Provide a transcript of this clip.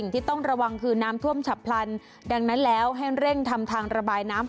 ที่ต้องระวังคือน้ำท่วมฉับพลันดังนั้นแล้วให้เร่งทำทางระบายน้ำ